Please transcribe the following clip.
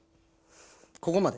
ここまで。